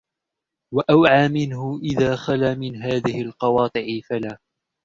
وَأَوْعَى مِنْهُ إذَا خَلَا مِنْ هَذِهِ الْقَوَاطِعِ فَلَا